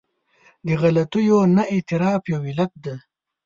د غلطیو نه اعتراف یو علت دی.